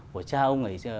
của cha ông ấy